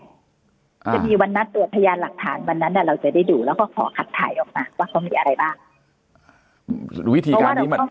จะมีวันนัดตรวจพยานหลักฐานวันนั้นเราจะได้ดูแล้วก็ขอขัดถ่ายออกมาว่าเขามีอะไรบ้าง